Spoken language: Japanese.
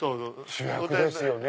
主役ですよね！